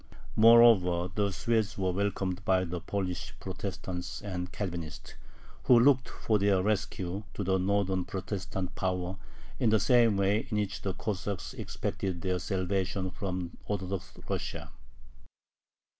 Moreover the Swedes were welcomed by the Polish Protestants and Calvinists, who looked for their rescue to the northern Protestant power in the same way in which the Cossacks expected their salvation from Orthodox Russia.